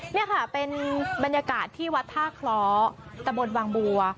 นี่ค่ะเป็นบรรยากาศที่วัดท่าคล้อตะบนบางบัว